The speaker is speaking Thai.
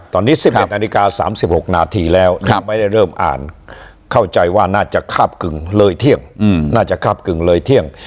ตอนนี้๑๑นาฬิกา๓๖นาทีแล้วนี่ผมไปได้เริ่มอ่านเข้าใจว่าน่าจะข้าบกึ่งเลยเที่ยง